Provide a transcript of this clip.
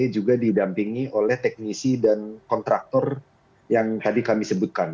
juga didampingi oleh teknisi dan kontraktor yang tadi kami sebutkan